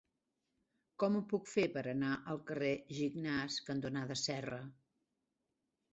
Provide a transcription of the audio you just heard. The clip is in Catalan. Com ho puc fer per anar al carrer Gignàs cantonada Serra?